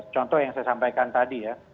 contoh yang saya sampaikan tadi ya